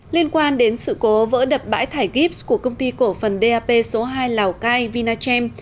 liên quan đến sự cố vỡ đập bãi thải gibbs của công ty cổ phần dap số hai lào cai vinachem